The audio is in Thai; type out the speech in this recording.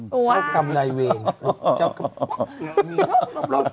จ้าวกรรมนายเวร